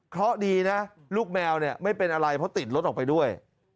เพราะดีนะลูกแมวเนี่ยไม่เป็นอะไรเพราะติดรถออกไปด้วย